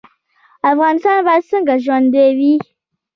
افغانستان باید څنګه ژوندی وي؟